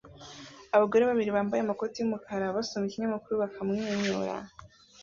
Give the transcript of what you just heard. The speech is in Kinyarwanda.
Abagore babiri bambaye amakoti yumukara basoma ikinyamakuru bakamwenyura